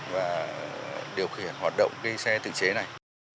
và điều khiển hoạt động cái xe tự chế này